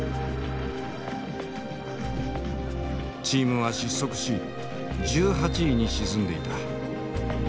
チームは失速し１８位に沈んでいた。